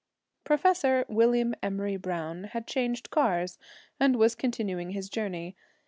Professor William Emory Browne had changed cars and was continuing his journey.